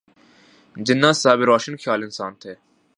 جناح صاحب روشن خیال انسان تھے۔